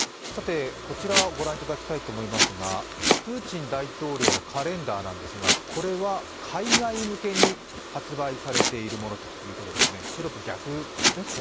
こちら御覧いただきたいと思いますが、プーチン大統領のカレンダーなんですがこれは海外向けに発売されているものということです。